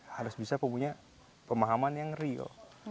harus bisa punya pemahaman yang real